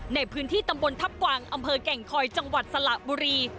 ในพื้นที่ตำบลทัพกวางอำเภอแก่งคอยจังหวัดสระบุรี